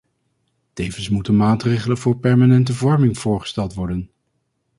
Tevens moeten maatregelen voor permanente vorming voorgesteld worden.